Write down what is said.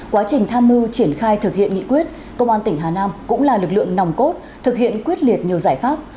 quá trình tham mưu triển khai thực hiện nghị quyết công an tỉnh hà nam cũng là lực lượng nòng cốt thực hiện quyết liệt nhiều giải pháp